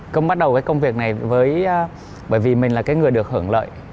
công bắt đầu công việc này bởi vì mình là người được hưởng lợi